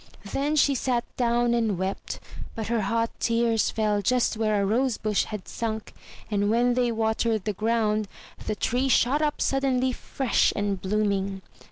Then she sat down and wept; but her hot tears fell just where a rose bush had sunk; and when they watered the ground, the tree shot up suddenly fresh and blooming.